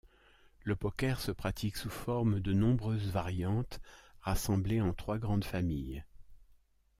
Le poker se pratique sous forme de nombreuses variantes rassemblées en trois grandes familles.